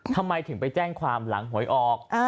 ทำไมถึงไปแจ้งความหลังหวยออก